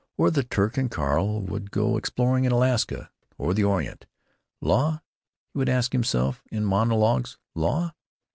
Or the Turk and Carl would go exploring in Alaska or the Orient. "Law?" he would ask himself in monologues, "law?